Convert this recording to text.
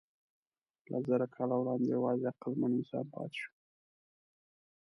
لسزره کاله وړاندې یواځې عقلمن انسان پاتې شو.